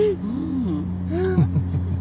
うん。